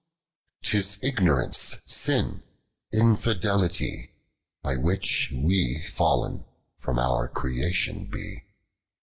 Tis ignorance, Sin, Infidelity, hy wliich we foll'n from our creation be.